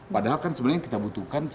padahal kan sebenarnya yang kita butuhkan